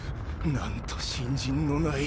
なんと信心のない。